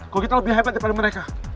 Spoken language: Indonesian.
kalau kita lebih hebat daripada mereka